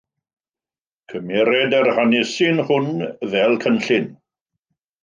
Cymered yr hanesyn hwn fel cynllun.